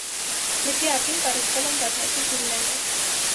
Լճի ափին կառուցվել են բազմաթիվ վիլլաներ։